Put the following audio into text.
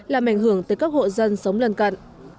làm ảnh hưởng tới các hộ dân sống lân cận